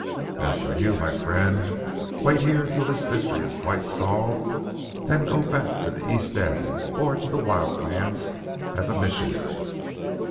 As for you, my friend, wait here until this mystery is quite solved; then go back to the East End, or to the Wild Lands as a missionary."